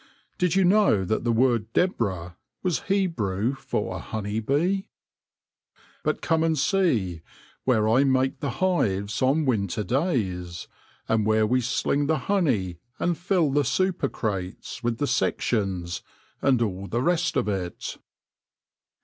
Did you know that the word Deborah was Hebrew for a honey bee ? But come and see where I make the hives on. winter days, and where we sling the honey, and fill the super crates with the sections, and all the rest of it."